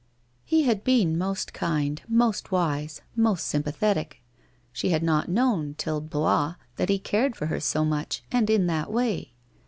He had been most kind, most wise, most sympathetic. She had not known till Blois, that he cared for her so much and in that way.